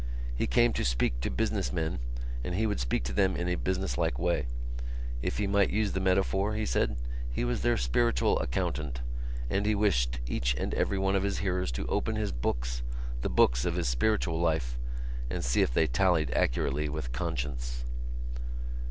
He came to speak to business men and he would speak to them in a businesslike way. If he might use the metaphor, he said, he was their spiritual accountant; and he wished each and every one of his hearers to open his books, the books of his spiritual life, and see if they tallied accurately with conscience.